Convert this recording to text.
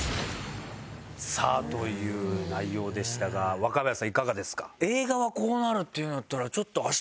さあという内容でしたが若林さんいかがですか？